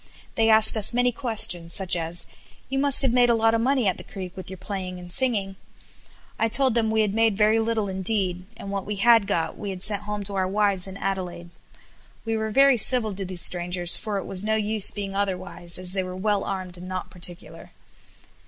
They asked us many questions such as "You must have made a lot of money at the Creek with your playing and singing." I told them we had made very little indeed, and what we had got we had sent home to our wives in Adelaide. We were very civil to these strangers for it was no use being otherwise, as they were well armed and not particular.